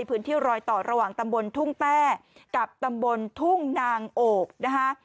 พื้นที่รอยต่อระหว่างตำบลทุ่งแต้กับตำบลทุ่งนางโอกนะคะ